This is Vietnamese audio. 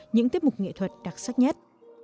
những tiếp mục nghệ thuật đặc sắc nhất